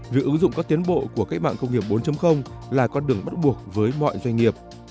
việc ứng dụng các tiến bộ của cách mạng công nghiệp bốn là con đường bắt buộc với mọi doanh nghiệp